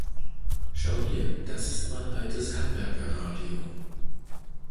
Schau hier, das ist mein altes Handwerker-Radio.